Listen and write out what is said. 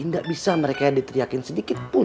tidak bisa mereka diteriakin sedikit pun